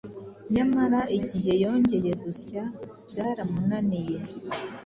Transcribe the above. nyamara igihe yongeye gusya byaramunaniye,